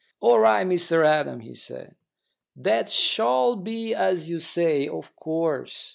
"All right, Mr Adam," he said. "That shall be as you say, of course.